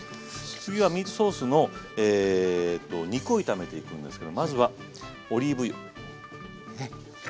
次はミートソースの肉を炒めていくんですけどまずはオリーブ油。